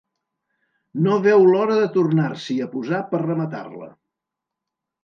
No veu l'hora de tornar-s'hi a posar per rematar-la.